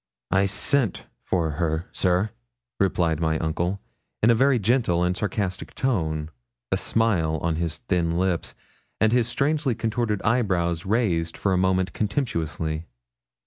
'I sent for her, sir,' replied my uncle, in a very gentle and sarcastic tone, a smile on his thin lips, and his strangely contorted eyebrows raised for a moment contemptuously.